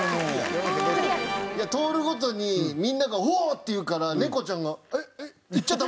通るごとにみんなが「おお！」って言うからネコちゃんが「えっ？えっ？